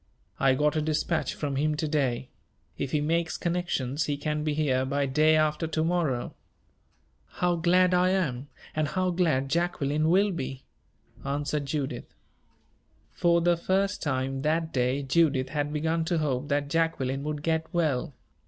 "I got a dispatch from him to day. If he makes connections, he can be here by day after to morrow." "How glad I am and how glad Jacqueline will be!" answered Judith. For the first time, that day Judith had begun to hope that Jacqueline would get well.